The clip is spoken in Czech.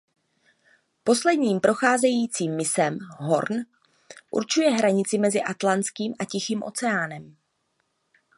Poledník procházející mysem Horn určuje hranici mezi Atlantským a Tichým oceánem.